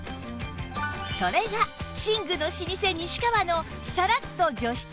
それが寝具の老舗西川のサラッと除湿シート